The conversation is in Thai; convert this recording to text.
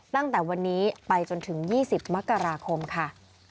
ตั้งแต่วันนี้ไปจนถึง๒๐มกราคมค่ะ